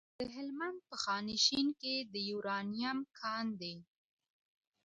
د هلمند په خانشین کې د یورانیم کان دی.